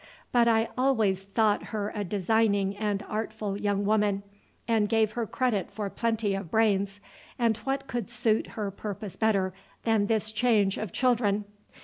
But I always thought her a designing and artful young woman, and gave her credit for plenty of brains, and what could suit her purpose better than this change of children?